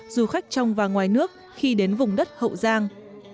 du khách trong và ngoài nước khi đến vùng đất hậu giang